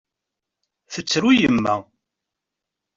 Tettru yemma.